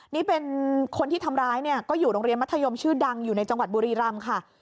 นี่เป็นคนที่ทำร้ายเนี่ยก็อยู่โรงเรียนมัธยมชื่อดังอยู่ในจังหวัดบุรีรำค่ะ